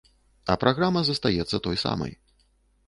А праграма застаецца той самай.